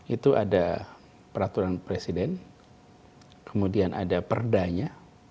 itu ada peraturan presiden kemudian ada perdanya